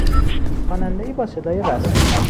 خوانندهای با صدای رسا